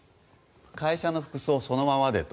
会社の服装そのままでと。